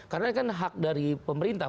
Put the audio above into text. karena kan hak dari pemerintah